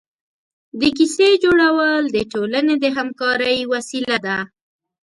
د کیسې جوړول د ټولنې د همکارۍ وسیله ده.